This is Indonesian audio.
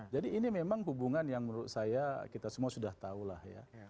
jadi ini memang hubungan yang menurut saya kita semua sudah tahu lah ya